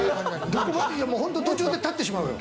本当、途中で立ってしまうよ。